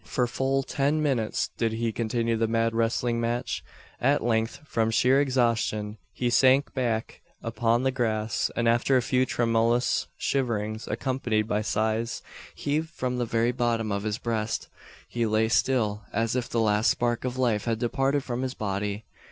For full ten minutes did he continue the mad wrestling match. At length from sheer exhaustion he sank back upon the grass; and after a few tremulous shiverings, accompanied by sighs heaved from the very bottom of his breast, he lay still, as if the last spark of life had departed from his body!